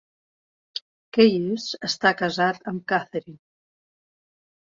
Keyes està casat amb Catherine.